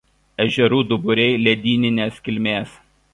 Ežerų duburiai ledyninės kilmės.